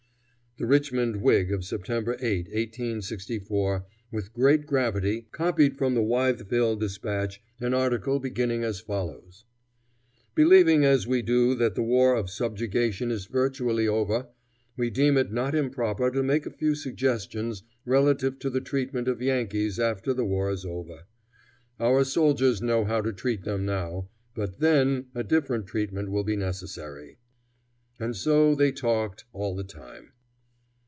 The Richmond Whig of September 8, 1864, with great gravity copied from the Wytheville Dispatch an article beginning as follows: "Believing as we do that the war of subjugation is virtually over, we deem it not improper to make a few suggestions relative to the treatment of Yankees after the war is over. Our soldiers know how to treat them now, but then a different treatment will be necessary." And so they talked all the time.